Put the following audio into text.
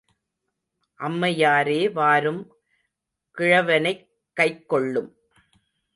அம்மையாரே வாரும் கிழவனைக் கைக்கொள்ளும்.